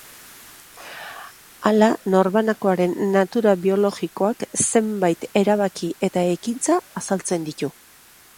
Hala, norbanakoaren natura biologikoak zenbait erabaki eta ekintza azaltzen ditu.